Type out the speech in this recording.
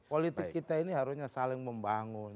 politik kita ini harusnya saling membangun